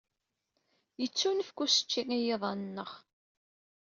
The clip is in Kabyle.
Yettunefk ucečči i yiḍan-nneɣ.